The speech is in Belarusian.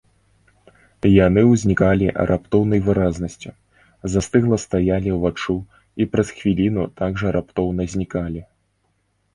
Яны ўзнікалі раптоўнай выразнасцю, застыгла стаялі ўваччу і праз хвіліну так жа раптоўна знікалі.